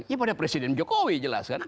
ya pada presiden jokowi jelas kan